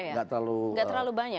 pesaing enggak ya